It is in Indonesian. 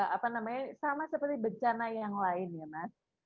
apa namanya sama seperti bencana yang lain ya mas